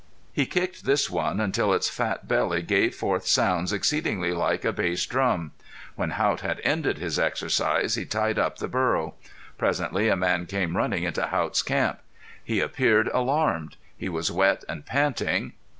He kicked this one until its fat belly gave forth sounds exceedingly like a bass drum. When Haught had ended his exercise he tied up the burro. Presently a man came running into Haught's camp. He appeared alarmed. He was wet and panting.